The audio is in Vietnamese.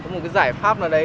một cái giải pháp nào đấy